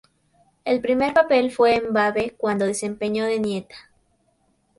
El primer papel fue en Babe, cuando desempeñó de nieta.